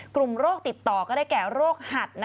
โรคติดต่อก็ได้แก่โรคหัด